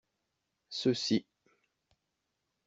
Ceux-ci.